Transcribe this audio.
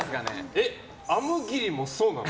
え、あむぎりもそうなの？